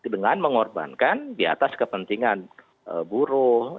dengan mengorbankan diatas kepentingan buruh